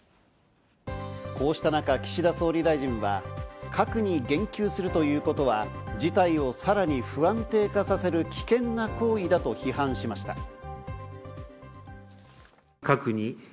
こうした中、岸田総理大臣は核に言及するということは事態をさらに不安定化させる危険な行為だと批判しました。